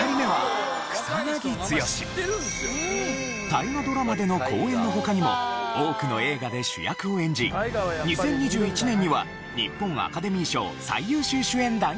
大河ドラマでの好演の他にも多くの映画で主役を演じ２０２１年には日本アカデミー賞最優秀主演男優賞を受賞。